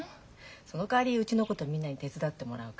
そのかわりうちのことみんなに手伝ってもらうから。